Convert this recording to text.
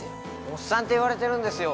おっさんって言われてるんですよ